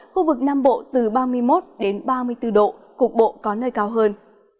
khu vực nam bộ từ ba mươi một ba mươi bốn độ cục bộ có nơi cao hơn